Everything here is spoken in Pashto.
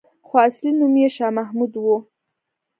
خو اصلي نوم یې شا محمد وو.